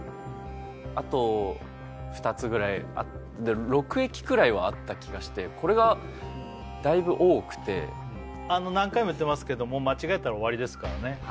あと２つぐらい６駅くらいはあった気がしてこれがだいぶ多くてあの何回も言ってますけども間違えたら終わりですからね